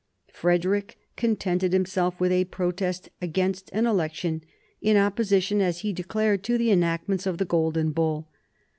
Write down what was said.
Frederick contented himself with a protest against an election in opposition, as he declared, to the enactments of the Golden Bull.